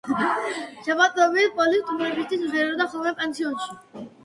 შაბათობით, პოლი სტუმრებისთვის მღეროდა ხოლმე პანსიონში.